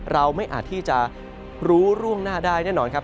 เราไม่อาจที่จะรู้ร่วงหน้าได้แน่นอนครับ